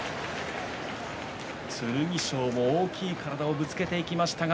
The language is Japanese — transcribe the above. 剣翔も大きい体をぶつけていきましたが